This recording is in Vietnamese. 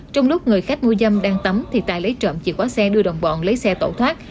trong lúc người khách mua dâm đang tắm thì tài lấy trộm chìa khóa xe đưa đồng bọn lấy xe tẩu thoát